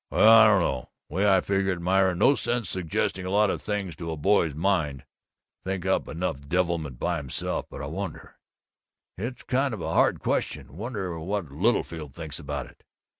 "Well, I don't know. Way I figure it, Myra, no sense suggesting a lot of Things to a boy's mind. Think up enough devilment by himself. But I wonder It's kind of a hard question. Wonder what Littlefield thinks about it?"